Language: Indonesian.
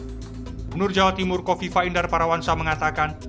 gubernur jawa timur kofifa indar parawansa mengatakan